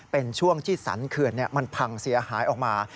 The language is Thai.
เป็นช่วงที่สรรเขื่อนมันพังเสียหายออกมา